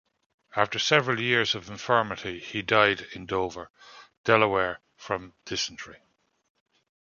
After several years of infirmity, he died in Dover, Delaware from dysentery.